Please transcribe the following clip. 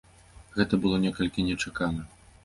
Гэта было некалькі нечакана.